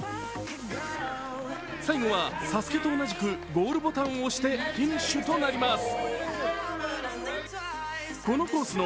最後はＳＡＳＵＫＥと同じくゴールボタンを押してフィニッシュとなります。